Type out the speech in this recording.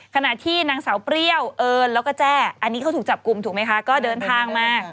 ขนาดที่นางสาวเปรี้ยวเอิญแล้วก็แจ้อันนี้เขาถูกจับกลุ่มถูกไหมคะ